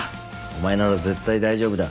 お前なら絶対大丈夫だ。